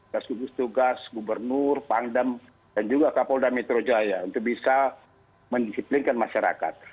gas gugus tugas gubernur pangdam dan juga kapolda metro jaya untuk bisa mendisiplinkan masyarakat